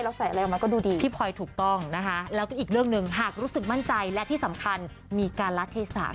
นี่ค่ะพี่พรอยถูกต้องนะคะแล้วก็อีกเรื่องหนึ่งหากรู้สึกมั่นใจและที่สำคัญมีการลัดเทศาค่ะ